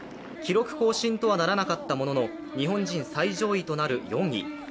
記録更新とはならなかったものの、日本人最上位となる４位。